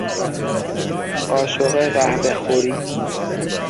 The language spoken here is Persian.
قاشق قهوه خوری